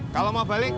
kalau mau balikin